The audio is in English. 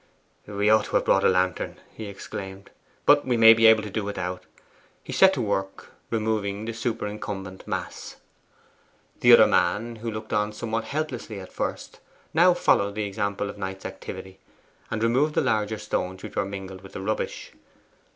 'We ought to have brought a lantern,' he exclaimed. 'But we may be able to do without.' He set to work removing the superincumbent mass. The other man, who looked on somewhat helplessly at first, now followed the example of Knight's activity, and removed the larger stones which were mingled with the rubbish.